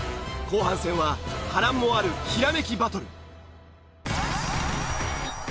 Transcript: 後半戦は波乱もあるひらめきバトル。